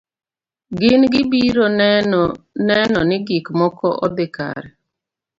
Gin gibiro neno ni gik moko odhi kare.